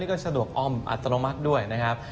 ก็สะดวกอ้อมอัตโนมัติด้วยนะครับ